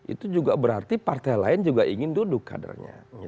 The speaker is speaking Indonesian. itu juga berarti partai lain juga ingin duduk kadernya